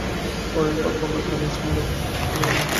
Horn, বাপ আমার, কাঁদিস নে, লক্ষ্মী আমার, সোনা আমার।